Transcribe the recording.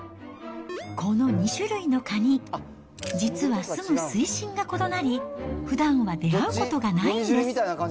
この２種類のカニ、実は住む水深が異なり、ふだんは出会うことがないんです。